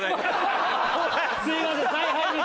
すいません。